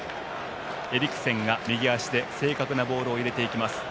エリクセンが右足で正確なボールを入れていきます。